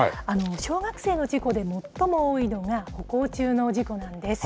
小学生の事故で最も多いのが、歩行中の事故なんです。